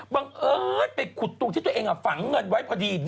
บังเอิญไปขุดตรงที่ตัวเองฝังเงินไว้พอดี